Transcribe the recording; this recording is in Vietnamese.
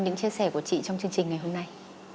những chia sẻ của chị trong chương trình ngày hôm nay